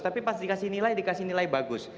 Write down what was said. tapi pas dikasih nilai dikasih nilai bagus